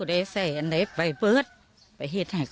ร้านของรัก